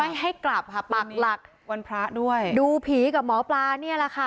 ให้ให้กลับค่ะปักหลักวันพระด้วยดูผีกับหมอปลาเนี่ยแหละค่ะ